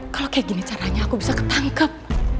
kalau kayak gini caranya aku bisa ketangkep